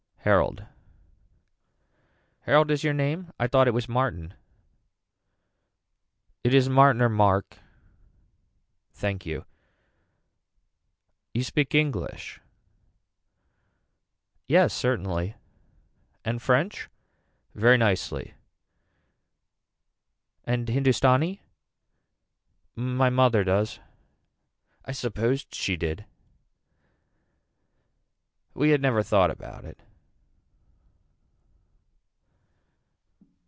Harold. Harold is your name. I thought it was Martin. It is Martin or Mark. Thank you. You speak English. Yes certainly. And french. Very nicely. And Hindustani. My mother does. I supposed she did. We had never thought about it.